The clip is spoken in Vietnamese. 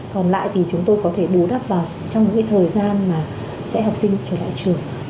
còn lại thì chúng tôi có thể bù đắp vào trong những thời gian mà sẽ học sinh trở lại trường